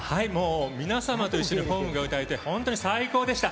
皆様と一緒に「ｈｏｍｅ」が歌えて本当に最高でした。